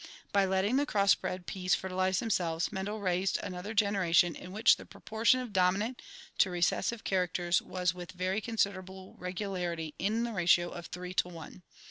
By letting the cross bred peas fertilize themselves, Mendel raised another generation in which the proportion of dominant to recessive characters was with very considerable regularity in the ratio of three to one.